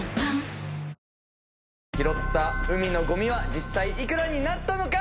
覆个拭拾った海のゴミは実際いくらになったのか？